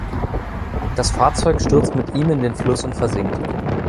Das Fahrzeug stürzt mit ihm in den Fluss und versinkt.